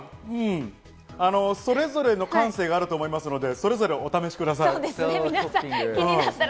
それぞれの感性があると思いますので、それぞれお試しください。